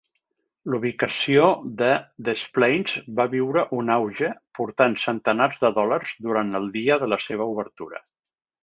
La ubicació de Des Plaines va viure un auge, portant centenars de dòlars durant el dia de la seva obertura.